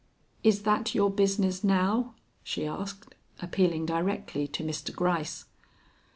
"Is that your business now?" she asked, appealing directly to Mr. Gryce.